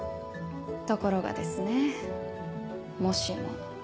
ところがですねぇもしも。